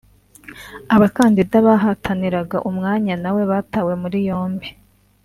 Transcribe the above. Abakandida bahataniraga umwanya na we batawe muri yombi